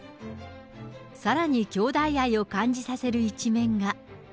さらに兄弟愛を感じさせる一面が。